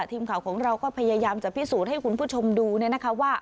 ทีมข่าวของเราก็พยายามจะพิสูจน์ให้คุณผู้ชมดูเนี่ยนะคะว่า